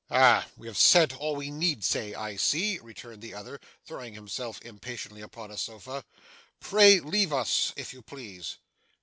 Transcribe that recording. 'Ah! we have said all we need say, I see,' returned the other, throwing himself impatiently upon a sofa. 'Pray leave us, if you please.